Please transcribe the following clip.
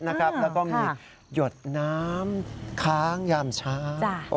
หยดน้ำค้างยามฉา